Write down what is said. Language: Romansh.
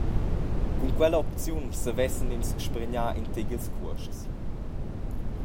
Cun quella opziun savessen ins spargnar in tec ils cuosts.